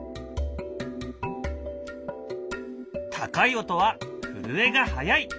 高い音は震えが速い。